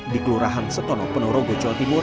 di kelurahan setono penurung gojo timur